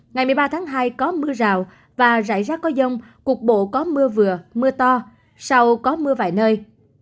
ngày một mươi ba tháng hai có mưa rào và rải rác có dông cục bộ có mưa vừa mưa to sau có mưa vài nơi